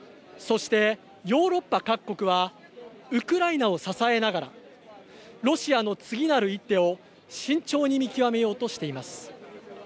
そして、ヨーロッパ各国はウクライナを支えながらロシアの次なる一手を慎重に見極めようとしています。